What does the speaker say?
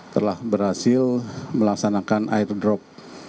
telah berhasil melaksanakan airdrop